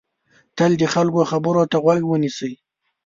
تل د خلکو خبرو ته غوږ ونیسئ.